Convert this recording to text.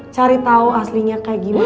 cari tahu aslinya kayak gimana